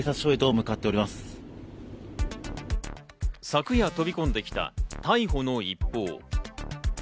昨夜飛び込んできた逮捕の一報。